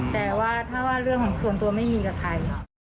แต่ว่าถ้าว่าเรื่องของส่วนตัวไม่มีกับใคร